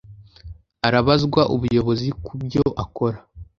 arabazwa ubuyobozi kubyo akora